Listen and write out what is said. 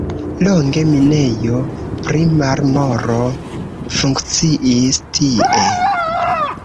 Longe minejo pri marmoro funkciis tie.